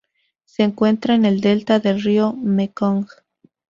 Se encuentra en el delta del río Mekong.